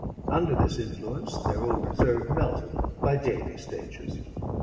Under this influence, their old reserve melted by daily stages.